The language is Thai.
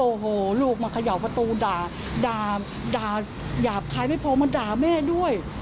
โอ้โหลูกมาเขย่าประตูด่าหยาบคายไม่พอมาด่าแม่ด้วย